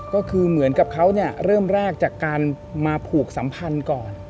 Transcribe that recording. ก็คือเหมือนกับเขาเริ่มแรกจากการมาผูกสัมพันธ์ก่อน